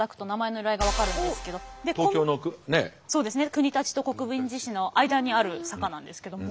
国立と国分寺市の間にある坂なんですけども。